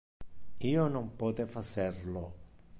Io non pote facer lo.